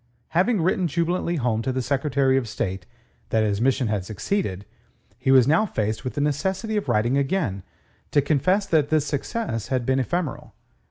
Having written jubilantly home to the Secretary of State that his mission had succeeded, he was now faced with the necessity of writing again to confess that this success had been ephemeral.